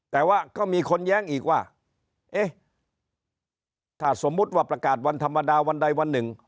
แต่ว่าก็มีคนแย้งอีกว่าเอ๊ะถ้าสมมุติว่าประกาศวันธรรมดาวันใดวันหนึ่ง